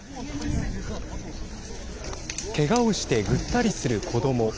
けがをしてぐったりする子ども。